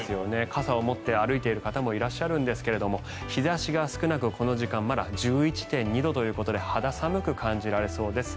傘を持って歩いている方もいらっしゃるんですが日差しが少なくこの時間まだ１１．２度ということで肌寒く感じられそうです。